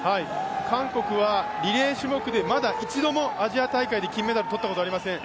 韓国はリレー種目でまだ一度もアジア大会で金メダル取ったことありません。